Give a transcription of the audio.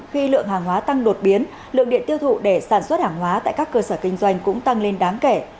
khi lượng hàng hóa tăng đột biến lượng điện tiêu thụ để sản xuất hàng hóa tại các cơ sở kinh doanh cũng tăng lên đáng kể